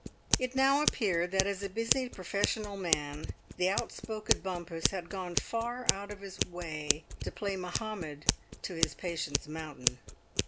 It now appeared that as a busy professional man the outspoken Bompas had gone far out of his way to play Mahomet to his patient's mountain.